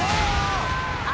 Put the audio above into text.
あ！